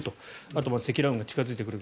あとは積乱雲が近付いてくる。